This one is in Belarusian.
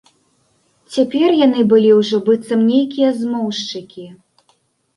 Цяпер яны былі ўжо быццам нейкія змоўшчыкі.